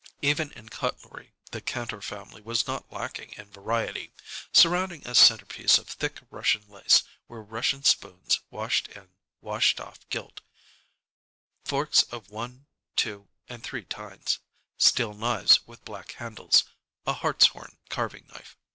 Even in cutlery the Kantor family was not lacking in variety. Surrounding a centerpiece of thick Russian lace were Russian spoons washed in washed off gilt; forks of one, two, and three tines; steel knives with black handles; a hartshorn carving knife.